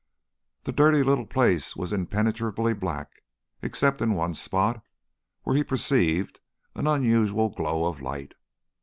The dirty little place was impenetrably black except in one spot, where he perceived an unusual glow of light.